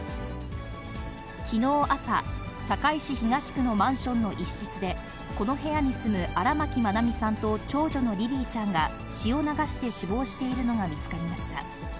きのう朝、堺市東区のマンションの一室で、この部屋に住む荒牧愛美さんと長女のリリィちゃんが血を流して死亡しているのが見つかりました。